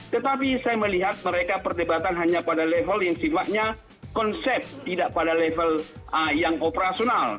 tetapi saya melihat mereka perdebatan hanya pada level yang sifatnya konsep tidak pada level yang operasional